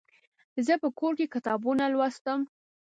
زه په کور کې کتابونه لوستم.